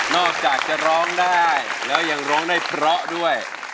อกจากจะร้องได้แล้วยังร้องได้เพราะด้วย